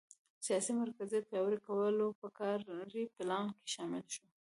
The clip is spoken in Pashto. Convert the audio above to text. سیاسي مرکزیت پیاوړي کول په کاري پلان کې شامل شو.